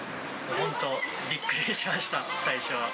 本当にびっくりしました、最初は。